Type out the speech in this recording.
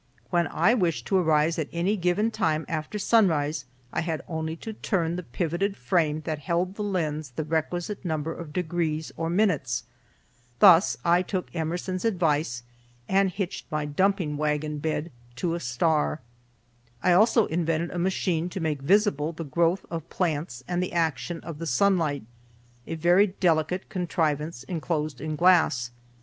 When I wished to arise at any given time after sunrise, I had only to turn the pivoted frame that held the lens the requisite number of degrees or minutes. Thus I took Emerson's advice and hitched my dumping wagon bed to a star. MY DESK MY DESK Made and used at the Wisconsin State UniversityToList I also invented a machine to make visible the growth of plants and the action of the sunlight, a very delicate contrivance, enclosed in glass.